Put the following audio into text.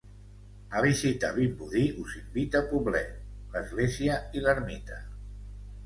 A visitar Vimbodí us invita Poblet, l'església i l'ermita.